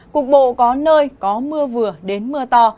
cục bộ có nơi có mưa vừa đến mưa to